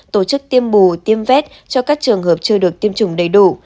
tổ chức tiêm bù tiêm vét cho các trường hợp chưa được tiêm chủng đầy đủ